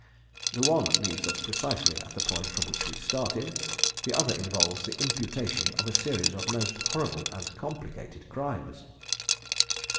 The one leaves us precisely at the point from which we started; the other involves the imputation of a series of most horrible and complicated crimes.